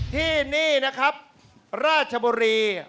ที่นี่นะครับราชบุรี